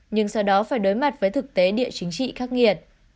nhưng sau đó phải đối mặt với thực tế địa chính trị khắc nghiệt